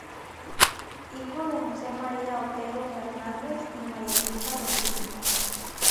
Hijo de Jose María Otero Fernández y María Luisa Rodríguez.